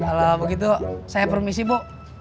kalau begitu saya permisi bu